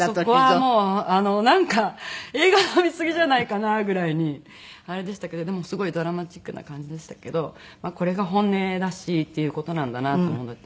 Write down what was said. そこはもうなんか映画の見すぎじゃないかなぐらいにあれでしたけどでもすごいドラマチックな感じでしたけどこれが本音らしいっていう事なんだなと思って。